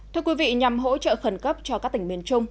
thưa quý vị nhằm hỗ trợ khẩn cấp cho các tỉnh miền trung